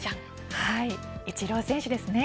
イチロー選手ですね。